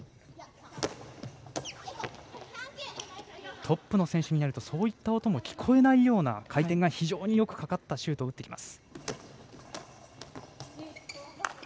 トップの選手になるとそういった音も聞こえないような回転のよくかかったシュートを打ってきます。